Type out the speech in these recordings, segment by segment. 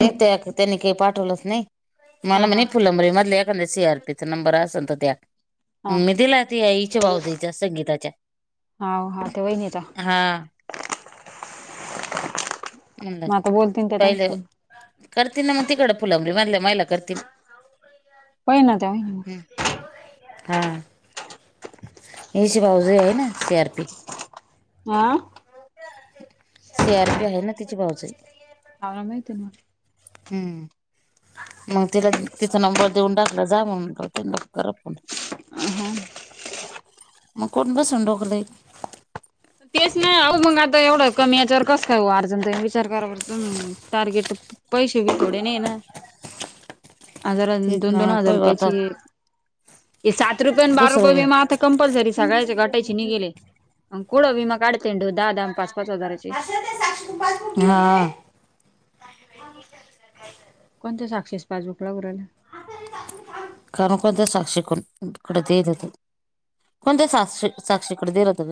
नाही त्या त्यांनी काही पाठवलंच नाही हा मला हा म्हणे फुलंबरी मधले एखाद्या शियार तिचा नंबर असल तर त्या हा मी दिला त्या ईच्या बावजीच्या संगीताच्या हाव हा त्या वहिनीचा. हा. मग म्हणल आता बोलतीन त्या त्यांच पहिल संग करतील ना मग तिकडं फुलावली मधल्या महिला करतील. होई ना त्या. हा [unintelligible] भाऊज आहे ना सी आर पी हा. सी आर पी आहे ना तिची भाऊजे. आराम हाय ते मग. हम्म. मग तिला तिथं नंबर देऊन टाकला. जा म्हवकर पण. हा मग कोण बसून डोकं लई. तेच नाही आहो मग आता एवढं कमी याच्यावर कस काय अर्जन विचार करा तुम्ही टार्गेट पैसे बी थोडे नाही ना. [unintelligible] हजार अन तेच दोन दोन ना हजार पहिलं आता रुपयची ये सात रुपये आणि बारा रुपये दुसरं बी म आता कंपल्सरी सगायचे घटायची नि गेले कोडं विमा काढते ढ दहा द पाच पाच हजाराचे हा. [unintelligible] पण ते साक्षीचं पासबुक लागू राल खरोखर ते साक्षीकडून तुकड देत होत. पण ते साक्षी साक्षी कड देत होत.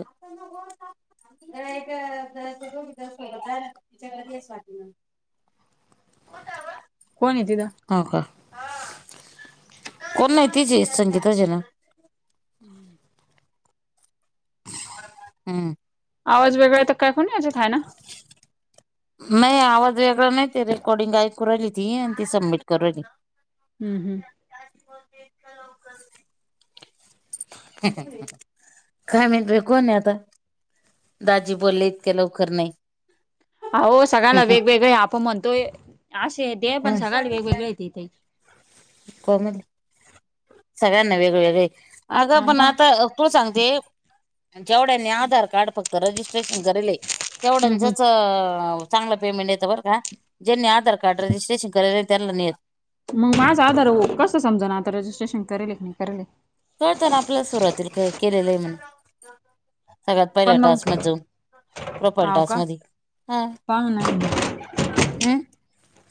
[unintelligible] कठ व कोण आहे तिथ हो का कोण नाही तीजी संगीता जन [unintelligible] हम्म आवाज वेगळा तर काय कोणी याच्यातय ना नाही आवाज वेगळा नाही ते रेकॉर्डिंग ऐकू राहिली ती आणि ती सबमिट करू राहिली. हम् हम् [unintelligible] काय म्हईत बाई कोण हे आता दाजी बोलले इतके लवकर नाही आओ सगळ्यांला वेगवेगळे आहे आपण म्हणतोय अस हाय ते पण सगळ्याला वेगवेगळे हाय कोमल सगळ्यांना वेगवेगळे हाय ती अगं हा पण मग आता तू सांगते जेवढ्यांनी आधार कार्ड फक्त रजिस्ट्रेशन करेले हम् हम् तेवढ्यांचच चांगला पेमेंट येतं बरं का ज्यांनी आधार कार्ड रजिस्ट्रेशन करल नाही त्यांना नाही येत मग माझा आधार कस समजा ना आता रजिस्ट्रेशन करलेय की नाही करलेय कळत ना आपल्या सुरुवाती क केलेलं आहे म्हणून सगळ्यात पहिल्या पण मग टास्क मध्ये जाऊन प्रोफाइल हाव टास्क का मधी ह. पाहू हम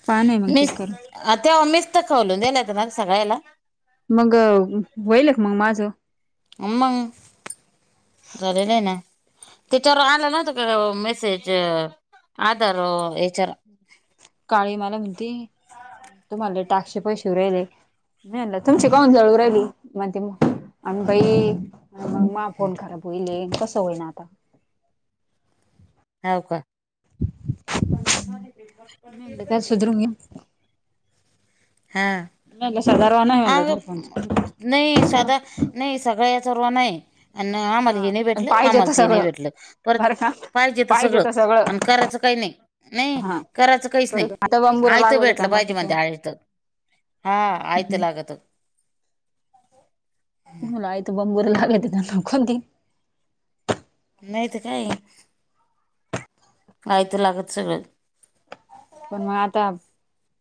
पहा ना मग चेक करून अ तेव्हा मीच त खोलून दिले होत ना सगळ्याला मग व्हायलय का मग माझं मंग झालेलं आहे ना त्याच्यावर आलं नव्हत का ग मेसेज आधार येच्या काळी मला म्हणती तुम्हाला लय टास्क चे पैसे येऊ राहिले मी म्हणलं तुमची काहून जळून राहिली म्हणती मगं आम्ही बाई मग मा फोन खराब होईलय कसं होईन आता हाव का मी म्हणलं त्याला सुधरून घे मी हा म्हणलं सदारवा नाही म्हणलं आग तुमच्या फोनचा. नाही साध नाही सगळ्या हे सर्वांना आहे. आन आम्हाला हा. हे नाही भेटलं पाहिजे आम्हाला तर ते नाही सगळं भेटलं परत बरं का पाहिजे तर सगळं आणि करायचं काही नाही नाही हा. करायचं काहीच नाही आता बंबूरा आयत लागत होत्या भेटलं पाहिजे बाकी काही म्हणते आयत हा आयत नाही. लागत तुला आयत बरं लागतं तर मग खाऊन घे नाही त काय कायत लागत सगळं पण मग आता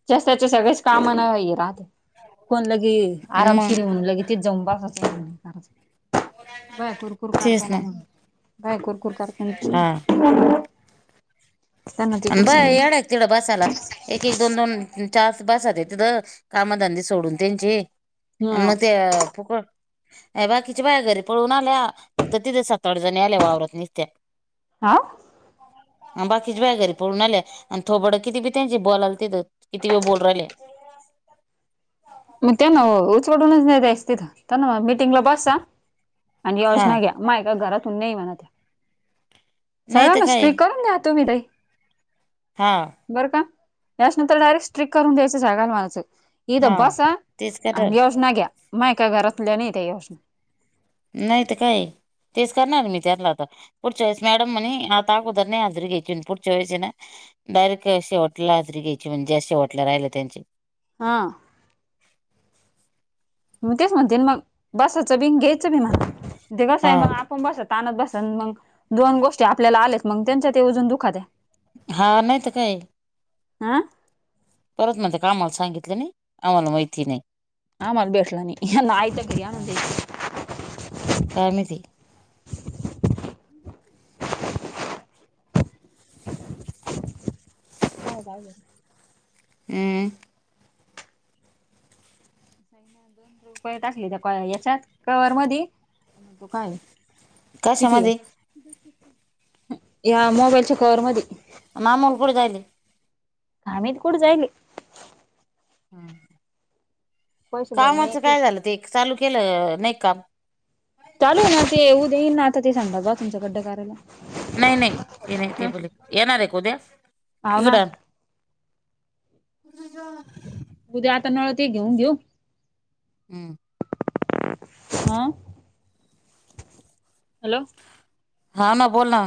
शासनाचे सगळेच काम ना हिला कोण लगे मग आरामशिर होऊन येतेच जाऊन बाता सांगून [inaudible] बाया कुरकुर करते ना म बाया कुरकुर करते हा ना अन बाया सांगायचं येड्यात तिड बसायला एक एक दोन दोन च्या आस पास आहेत तिथ कामधंदे सोडून त्यांचे आणि ह म ते फुकट या बाकीच्या बाय घरी पळून आल्या फक्त तिथे सात आठ जणी आल्या वावरत निसत्या हा आन बाकीच बाया घरी पळून आल्या आणि थोबाड किती बी त्यांचे बोलाले तिथं किती मी बोलू राहिले मग त्याना उचवडूनच नाही द्यायच तिथं त्याना म्हणा मीटिंगला बसा आणि हा योजना घ्या मायका घरातून नाही म्हणत आहे. नाही चला तर काय मस्त्री करून घ्या तुम्ही दही हा बरं का याच्यानंतर डायरेक्ट स्ट्रिक करून द्यायचं जागाला म्हणायचं इथं हा बस [inaudible] तेच कटर आणि योजना घ्या माय का घरातल्या नाही त्या योजना नाही तर काय तेच करणार मी त्यांनला आता पुढच्या वेळेस मॅडम म्हणे आता अगोदर नाही हजरीघ्यायची पुढच्या वेळेस हाय ना डायरेक्ट अ शेवट ला हजारी घ्यायची म्हणजे जे शेवट ला राहिले त्यांचे. हा मग, तेच म्हणते मंग बसायचं बिंग घ्यायचं बी मला ते कसं हा आहे मग कोण बसत आणत बसन? मंग, दोन गोष्टी आपल्याला आलेत. मग, त्यांच्या ते अजून दुखात आहे. हां. नाही तर काय! आं परत म्हणते का आम्हाला सांगितलं नाही? आम्हाला माहिती नाही. आम्हाला भेटल नाही. ह्यांना आयत घरी आणून हा द्यायचं. काय माहिती? [inaudible] हो बर. अं ना दोन रुपये टाकले त्या याच्यात कवर मधी. मग म्हणतो का? किती? कशामध्ये ह्या मोबाईलच्या कवर मधे मामा न कडे जायली. काय माहीत कुठं जायली? हं. पैसे भरून कामाचं यायचे काय होते. झालं? ते चालू केलं नाही काम? चालू हाय ना ते उद्या येईलना आता ते सांगतात. बाथरूमच खड्ड करायला. नाही नाही. ते नाही ते हा. बोल. येणार आहे उद्या हाव ना इकडं? [inaudible] उद्या आता नळ ते घेऊन देऊ. हं. अं - हॅलो. हां ना, बोल ना.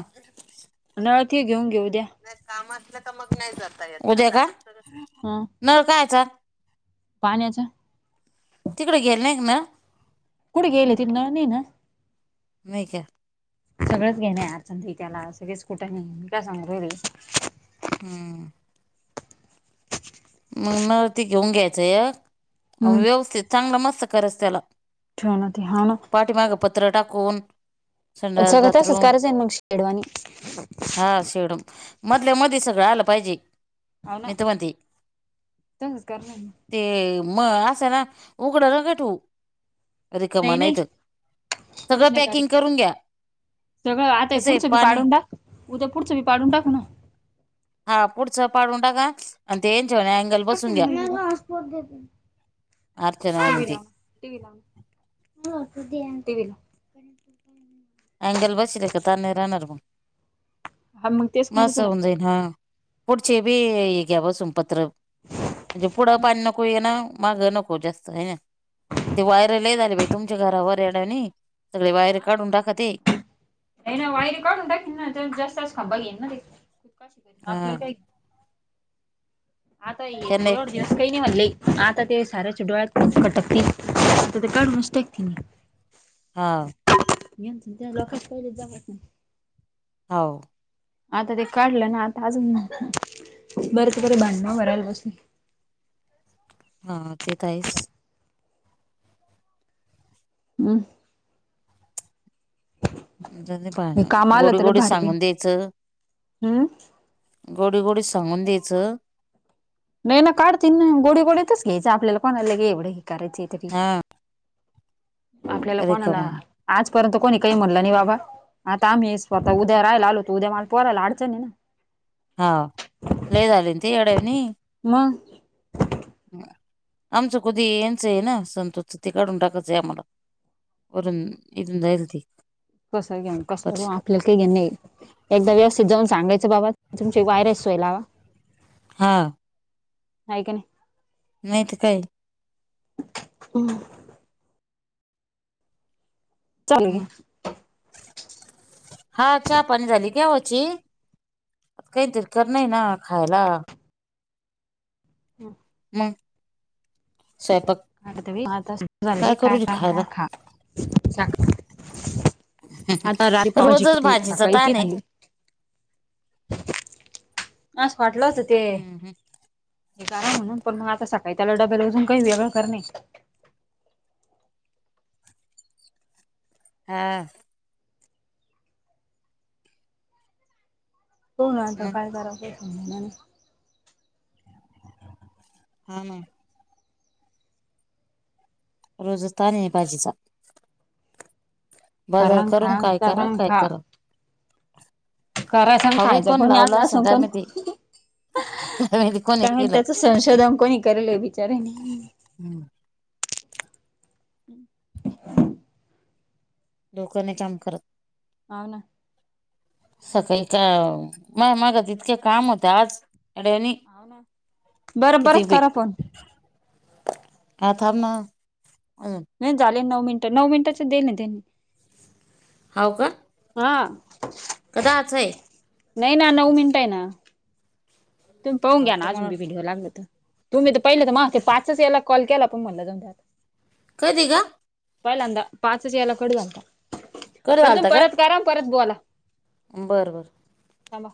नळ ते घेऊन घेऊ उद्या. नाही काम असलं तर मग नाही जाता येतं. उद्या का? हां. नळ काय ह्याचा? पाण्याचा. तिकडें गेले नाही का मग? कुठं गेले ते नळ नाही ना! नाही का? सगळंच घेणे अडचण त्याला, सगळेच कुठे घे मी का सांगू रे? हं. मग मळ ती घेऊन घ्यायचंय एक. आणि हम्म व्यवस्थित चांगला मस्त करच त्याला. ठेव ना ते हा ना पाठीमाग प त्र टाकून संडास सगळं तसंच बाथरूम करायचं आहे मग शेडवाणी. हां. शेडम मधल्या मधी सगळं आलं पाहिजे. हाव ना, मी तर म्हणते तसंच करावं लागणारं. ते मग असं ना उघड नका ठेवू. रिकम नाही नाही नाहीत सगळं तस नाही पॅकिंग करायचं करून घ्या. सगळं आताय कसं आहे पुढचं बी पाणी पाडून टाक. उद्या पुढचं बी पाडून टाकू ना. हा पुढचं पाडून टाका. आणि ते अँगल बसवून घ्या. टीव्ही अर्चना वाणी ते [unintelligible] [inaudible] सुध आणतीला. [unintelligible] [inaudible] आयंगल बसुलतर पार नही राहणार ब. अन म म असं हुंजयल हा पुढचेबी, घ्याव सुमपतरा म्हणजे पुढं पाणि नको येन मागं नको जास्तहायना. ते वायर लई झाली बाई तुमच्या घरावर येडानी, सगळे वायरे काढून टाकत ते. नाही ना वायर काढून टाकेन ना तर, जास्त खांबा घेईन ना हा तेआपल्याला काय आता येलंत त्यांना एक होयचं. जास्त कयन वाढले आता ते सारा चिखलात कटाकतिन ते काड निस्तातंय. हः घ [unintelligible] [inaudible] हओ. आता ते काढलं ना आता अजून बरेच बरे, भांडणवंरायला बसू-. हा ते त आहेच. हमः जयन दे हे पाळणायत काम गोडी गोडी सांगून द्यायचं. हम्म गोडी गोडी सांगून यायचं नाही ना काढतील ना गोडे गोडे तरच घ्यायच. आपल्याला कोणाला के एवढं हे करायचे तरी हा आपल्याला कोणा ना रिकाम आजपर्यंत कोणी काही म्हणलं नाही बाबा आता आम्ही स्वतः उद्या राहायला आलो उद्या, मला पोरायला अडचणी ना. हा ल झाले ते एडानी मगं आमचं कुधी येयचंय ना संतोच ते काढून टाकायचंय आम्हाला. [unintelligible] वटण इ जायलती. कसं घ्यानं कसं आपल्याला काही घे नाही. एकदा व्यवस्थित जाऊन सांगायचं, बाबा तुमची वायरस सोईलवा. हांआ.. हाय का? नाही. नाही त कांय. [unintelligible] हंमः चालेल हम् हा चहा पाणी झाली घ्यावची. केयितर कर नईना खायाला. हमः हमः स्वयपाक. आ त तेबी वादलय काय टाक काय खा. आताात रातपावजी की रोजच काय? भाजीचा येतेलं कीं ताण आहे खायली. आस वाटलं होते. हम्म हम्म [unintelligible] हे का म्हणून पण मग, आता सकाळी त्याला डब्याला अजून काही वेगळं कर नाही. हं अं.. हो ना आता मग काय करावं सज. हाना.. रोज तान अय बाजीचा. बाजार करांग करून खा काय करा? करांग काय करा? करायचा हवंय खायचा कोण पण लावला असेल काय माहिती [unintelligible] काय माहिती कोणी काय केलं त्याच संशोधन कोणी करले बिचाऱ्यानी. हम्म [inaudible] डोक नाय काम करत. आनं सकाळी काव मी मागे इतके काम होतं आज. अडाणी बरं बरंच कितीबी करा फोन हा थांब ना नाय झाले नऊ मिनटं नऊ मिनटंच देन त्यांनी. हाव का हा का दहाच ये नई ना नऊ मिनटं ये ना. तुमही पाहुन हाव घ्या ना का अजून मला बी व्हिडिओ लागल तर, तुम्ही तर पहिले मा ते पाच याला कॉल केला पण महनल जाऊदे आता. कधी ग पहिल्यांदा पाचच याला कट जलता. कट झालता का? करा परत बोला. बरं बरं हॅलो